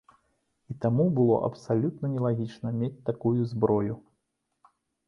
І таму, было абсалютна нелагічна мець гэтую зброю.